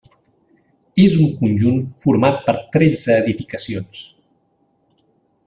És un conjunt format per tretze edificacions.